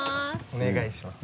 お願いします。